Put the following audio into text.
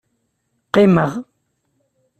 Qimeɣ.